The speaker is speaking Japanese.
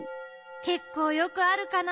けっこうよくあるかな。